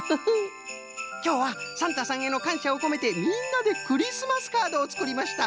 きょうはサンタさんへのかんしゃをこめてみんなでクリスマスカードをつくりました。